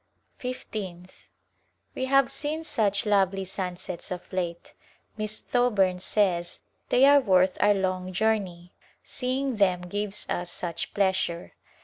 Fifteenth, We have seen such lovely sunsets of late. Miss Thoburn says they are worth our long journey, seeing them gives us such pleasure.